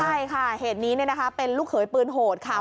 ใช่ค่ะเหตุนี้เป็นลูกเขยปืนโหดค่ะ